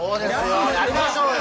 やりましょうよ！